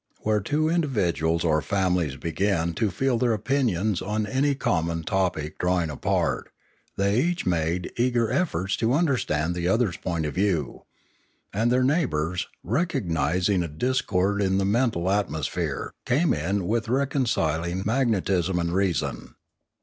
Where two individuals or families began to feel their opinions on any common topic drawing apart, they each made eager efforts to understand the other's point of view; and their neighbours, recognising a dis cord in the mental atmosphere, came in with reconcil ing magnetism and reason.